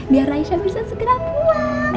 biar raisa bisa segera pulang